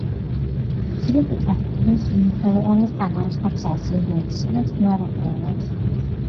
სრუტე წარმოადგენს უმნიშვნელოვანეს სანაოსნო გზას ინდოეთისა და წყნარ ოკეანეებს შორის.